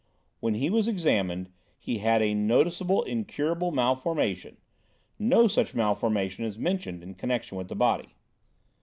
When he was examined he had a noticeable incurable malformation; no such malformation is mentioned in connection with the body.